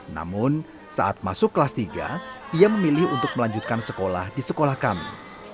namun saat masuk kelas tiga ia memilih untuk melanjutkan sekolah di sekolah kami